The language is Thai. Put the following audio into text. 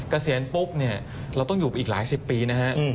เกษียณปุ๊บเนี่ยเราต้องอยู่ไปอีกหลายสิบปีนะฮะ